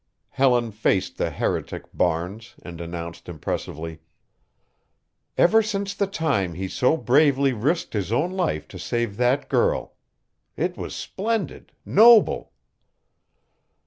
Helen faced the heretic Barnes and announced impressively: "Ever since the time he so bravely risked his own life to save that girl. It was splendid, noble!"